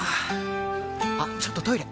あっちょっとトイレ！